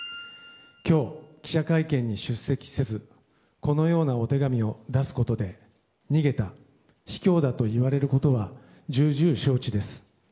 今日、記者会見に出席せずこのようなお手紙を出すことで逃げた、卑怯だと言われることは重々承知です。